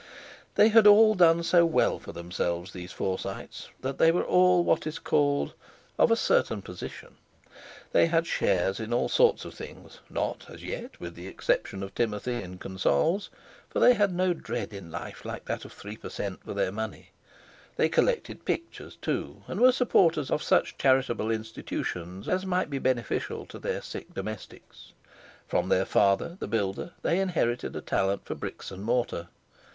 They had all done so well for themselves, these Forsytes, that they were all what is called "of a certain position." They had shares in all sorts of things, not as yet—with the exception of Timothy—in consols, for they had no dread in life like that of 3 per cent. for their money. They collected pictures, too, and were supporters of such charitable institutions as might be beneficial to their sick domestics. From their father, the builder, they inherited a talent for bricks and mortar.